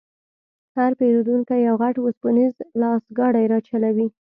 هر پېرونکی یو غټ وسپنیز لاسګاډی راچلوي.